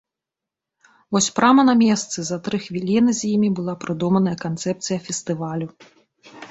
Вось прама на месцы за тры хвіліны з імі была прыдуманая канцэпцыя фестывалю.